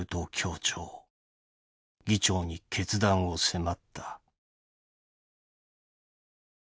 議長に決断を迫った」。